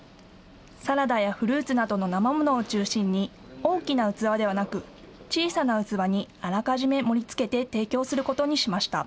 サラダやフルーツなどのなま物を中心に大きな器ではなく小さな器にあらかじめ盛りつけて提供することにしました。